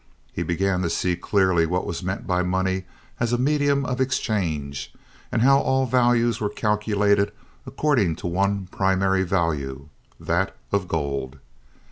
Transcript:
He began to see clearly what was meant by money as a medium of exchange, and how all values were calculated according to one primary value, that of gold.